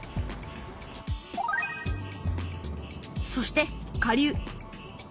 そして下流